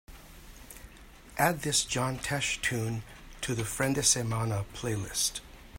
Add this John Tesh tune to the friendesemana playlist